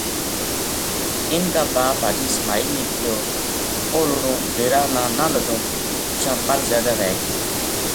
اِنھ کا باپ حاجی اسماعیل نے کہیو اوہ لڑوں ڈیرا نا نہ لَدوں پَچھاں پل زیادہ وھے گی